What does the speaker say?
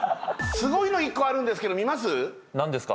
すごいの１個あるんですけど見ます？